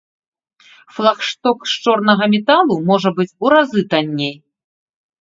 Флагшток з чорнага металу можа быць у разы танней!